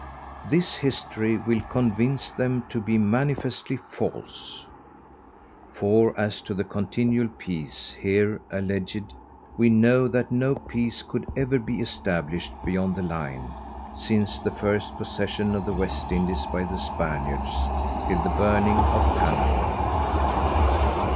This History will convince them to be manifestly false. For as to the continual Peace here alleadged, we know that no Peace could ever be established_ beyond the Line, since the first possession of the West Indies by the Spaniards, till the burning of Panama.